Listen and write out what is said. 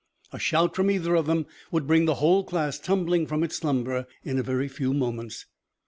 A shout from either of them would bring the whole class tumbling from its slumber in a very few moments.